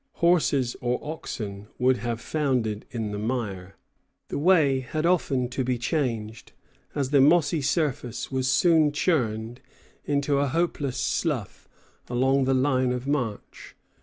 Horses or oxen would have foundered in the mire. The way had often to be changed, as the mossy surface was soon churned into a hopeless slough along the line of march.